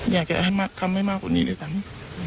อยากจะทำให้มากกว่านี้เลยจำ